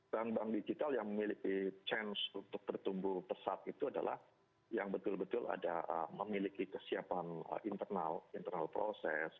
dan bank digital yang memiliki chance untuk bertumbuh pesat itu adalah yang betul betul ada memiliki kesiapan internal internal process